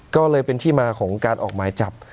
ก็เลยเป็นที่มาของการออกหมายจับ